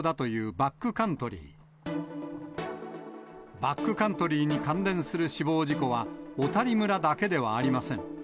バックカントリーに関連する死亡事故は、小谷村だけではありません。